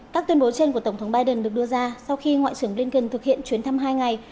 các tuyên bố trên của tổng thống biden được đưa ra sau khi ngoại trưởng blinken thực hiện chuyến thăm hai ngày